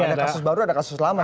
ada kasus baru ada kasus lama